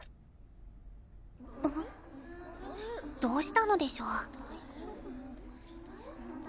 どうしたのでしょう？